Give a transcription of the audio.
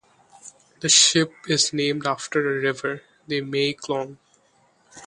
The ship is named after a river, the Mae Klong.